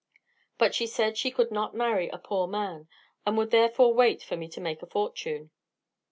But she said she could not marry a poor man and would therefore wait for me to make a fortune.